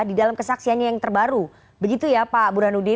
di dalam kesaksiannya yang terbaru begitu ya pak burhanuddin